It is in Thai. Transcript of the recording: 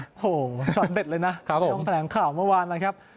โหชอตเบ็ดเลยนะครับผมต้องแผนข่าวเมื่อวานนะครับ